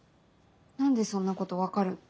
何でそんなこと分かるの。